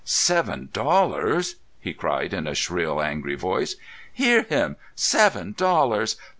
"Seven dollars!" he cried in a shrill, angry voice. "Hear him! Seven dollars!